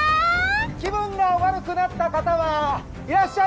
気分が悪くなった方はいらっしゃいませんか？